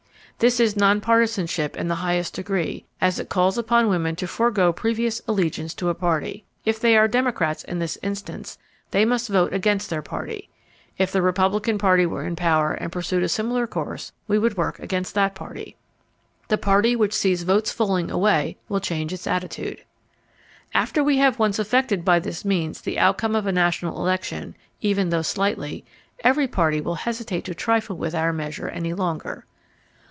This is non partisanship in the highest degree, as it calls upon women to forego previous allegiance to a party. If they are Democrats in this instance, they must vote against their party. If the Republican Party were in power and pursued a similar course, we would work against that party. The party which sees votes falling away will change its attitude. After we have once affected by this means the outcome of a national election, even though slightly, every party will hesitate to trifle with our measure any longer.